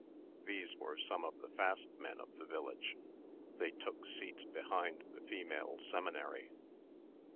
These were some of the fast men of the village. They took seats behind the female seminary.